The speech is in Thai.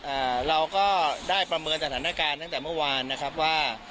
อ่าเราก็ได้ประเมินสถานการณ์ตั้งแต่เมื่อวานนะครับว่า